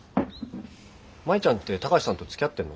舞ちゃんって貴司さんとつきあってるの？